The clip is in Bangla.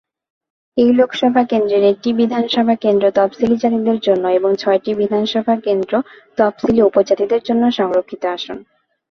এই লোকসভা কেন্দ্রের একটি বিধানসভা কেন্দ্র তফসিলী জাতিদের জন্য এবং ছয়টি বিধানসভা কেন্দ্র তফসিলী উপজাতিদের জন্য সংরক্ষিত আসন।